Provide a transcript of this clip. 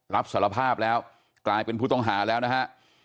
รับสารภาพแล้วกลายเป็นผู้ต้องหาแล้วนะฮะ